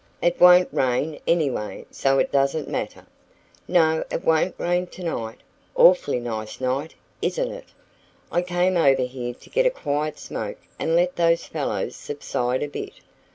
It won't rain, anyway, so it doesn't matter." "No, it won't rain tonight. Awfully nice night, isn't it? I came over here to get a quiet smoke and let those fellows subside a bit.